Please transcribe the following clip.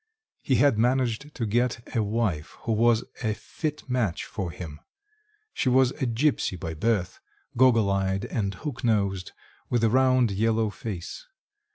He had managed to get a wife who was a fit match for him. She was a gipsy by birth, goggle eyed and hook nosed, with a round yellow face.